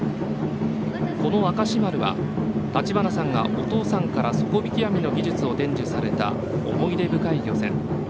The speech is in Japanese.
この「明石丸」は橘さんがお父さんから底びき網の技術を伝授された思い出深い漁船。